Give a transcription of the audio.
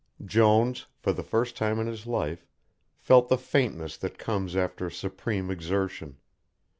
Jones, for the first time in his life, felt the faintness that comes after supreme exertion.